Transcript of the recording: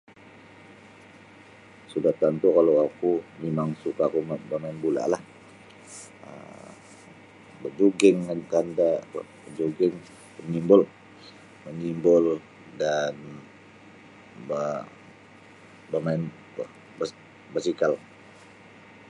Sudah tontu' kalau oku mimang suka' oku ba bamain bula'lah um bajuging antad da juging manyimbul manyimbul dan ba bamain basikal.